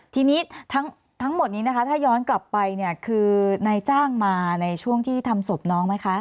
ทีนี้ทั้งหมดนี้นะคะถ้าย้อนกลับไปเนี่ยคือนายจ้างมาในช่วงที่ทำศพน้องไหมคะ